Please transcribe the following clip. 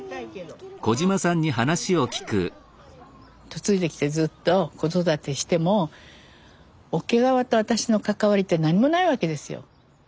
嫁いできてずっと子育てしても桶川と私の関わりって何もないわけですよ。